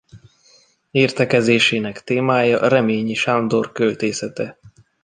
Értekezésének témája Reményik Sándor költészete.